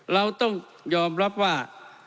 เราต้องยอมรับว่า